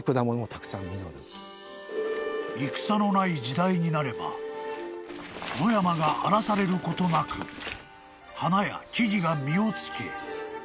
［戦のない時代になれば野山が荒らされることなく花や木々が実をつけ］